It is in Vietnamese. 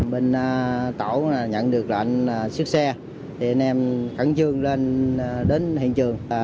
bên tàu nhận được lệnh xước xe để anh em cẩn trương lên đến hiện trường